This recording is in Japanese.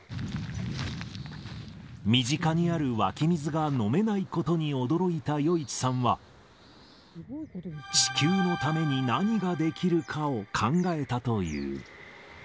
身近にある湧き水が飲めないことに驚いた余一さんは、地球のために何ができるかを考えたという。